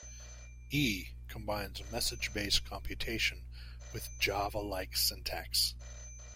E combines message-based computation with Java-like syntax.